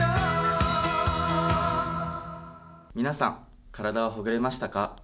皆さん、体はほぐれましたか？